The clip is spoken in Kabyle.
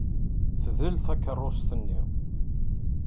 Tdel takeṛṛust-nni.